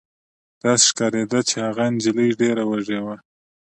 داسې ښکارېده چې هغه نجلۍ ډېره وږې وه